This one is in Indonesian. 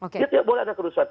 jadi tidak boleh ada kerusuhan